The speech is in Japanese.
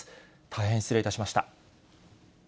大変失礼いたしました。